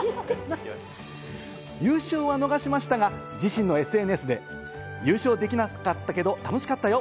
優勝は逃しましたが自身のＳＮＳで、優勝できなかったけど楽しかったよ。